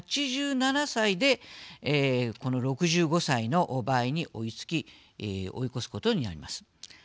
８７歳でこの６５歳の場合に追いつき追い越すことになります。